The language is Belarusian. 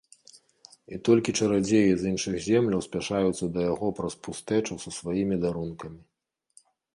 І толькі чарадзеі з іншых земляў спяшаюцца да яго праз пустэчу са сваімі дарункамі.